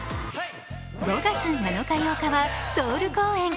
５月７日、８日はソウル公演。